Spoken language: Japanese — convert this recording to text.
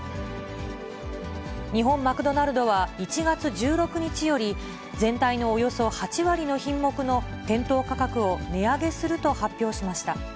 日本マクドナルドは、１月１６日より、全体のおよそ８割の品目の店頭価格を値上げすると発表しました。